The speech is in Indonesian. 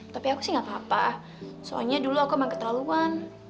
tapi aku sih gak apa apa soalnya dulu aku emang ketahuan